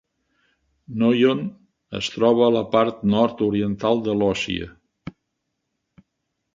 Noyon es troba a la part nord-oriental de l'Oise.